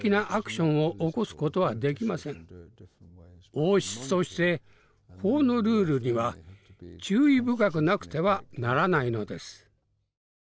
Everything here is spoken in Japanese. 王室として法のルールには注意深くなくてはならないのです。